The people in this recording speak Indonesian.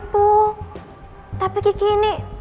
boleh kuasain disini